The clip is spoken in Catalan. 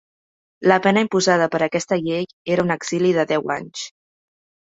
La pena imposada per aquesta llei era un exili de deu anys.